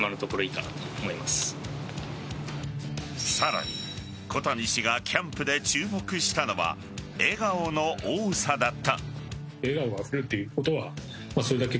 さらに小谷氏がキャンプで注目したのは笑顔の多さだった。